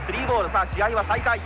さあ、試合は再開。